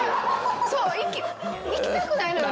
そう行きたくないのよね。